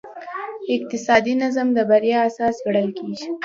اقتصادي نظم د بریا اساس ګڼل کېږي.